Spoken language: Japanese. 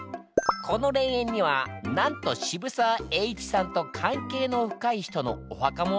この霊園にはなんと渋沢栄一さんと関係の深い人のお墓もあるんだにゃ。